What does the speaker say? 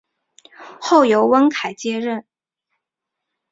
后由翁楷接任。